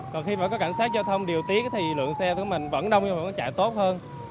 còn khi phải có cảnh sát giao thông điều tiết thì lượng xe của mình vẫn đông nhưng mà nó chạy tốt hơn